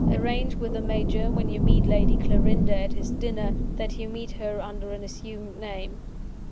Arrange with the Major, when you meet Lady Clarinda at his dinner, that you meet her under an assumed name."